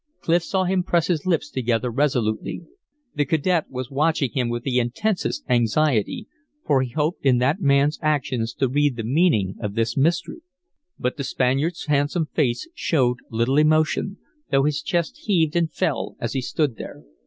Clif saw him press his lips together resolutely. The cadet was watching him with the intensest anxiety, for he hoped in that man's actions to read the meaning of this mystery. But the Spaniard's handsome face showed little emotion, though his chest heaved and fell as he stood there.